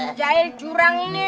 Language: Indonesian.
penjahit curang ini